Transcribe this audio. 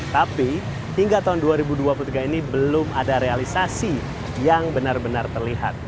tapi hingga tahun dua ribu dua puluh tiga ini belum ada realisasi yang benar benar terlihat